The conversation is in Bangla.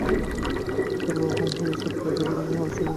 স্বর্গকাম হইয়া সৎকার্য করিলে মানুষ স্বর্গে গিয়া দেবতা হন।